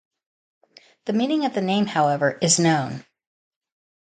The meaning of the name, however, is known.